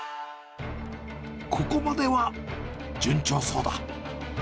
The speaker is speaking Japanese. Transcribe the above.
ここまでは順調そうだ。